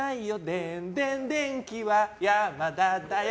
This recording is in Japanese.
でんでん電気はヤマダだよ。